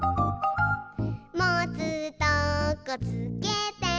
「もつとこつけて」